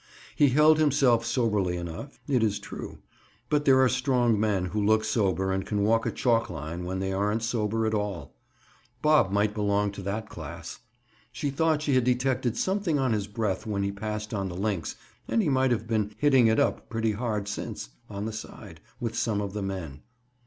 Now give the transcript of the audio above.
He held himself soberly enough, it is true, but there are strong men who look sober and can walk a chalk line, when they aren't sober at all. Bob might belong to that class. She thought she had detected something on his breath when he passed on the links and he might have been "hitting it up" pretty hard since, on the side, with some of the men.